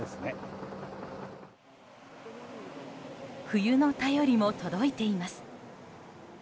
冬の便りも届いています。